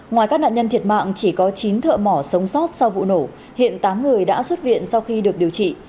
ngoài các nạn nhân thiệt mạng chỉ có chín thợ mỏ sống sót sau vụ nổ hiện tám người đã xuất viện sau khi được điều trị